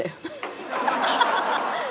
ハハハハ！」